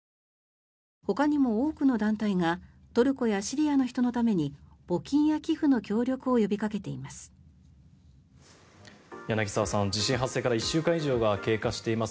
ほかにも多くの団体がトルコやシリアの人のために募金や寄付の協力を呼びかけています。